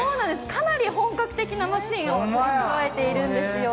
かなり本格的なマシーンを備えているんですよ。